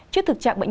trước thực trạng bệnh